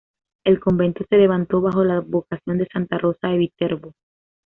El convento se levantó bajo la advocación de Santa Rosa de Viterbo.